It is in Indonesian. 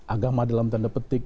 agama dalam tanda petik